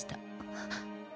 あっ。